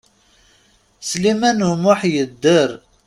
Sliman U Muḥ yedder.